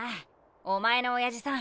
おまえの親父さん